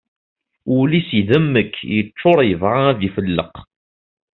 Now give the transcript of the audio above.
Ul-is idemmek yeččur yebɣa ad ifelleq.